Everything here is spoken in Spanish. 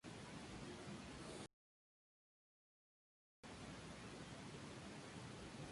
Sus fundadores pertenecían al movimiento político Organización Badr.